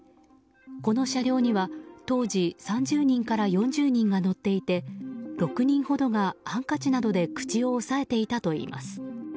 この車両には当時３０人から４０人が乗っていて６人ほどがハンカチなどで口を押さえていたといいます。